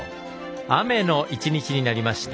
雨の１日になりました